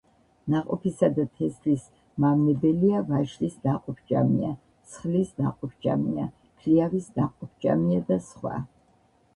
ნაყოფისა და თესლის მავნებელია ვაშლის ნაყოფჭამია, მსხლის ნაყოფჭამია, ქლიავის ნაყოფჭამია და სხვა.